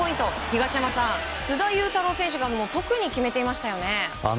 東山さん、須田侑太郎選手が特に決めていましたよね。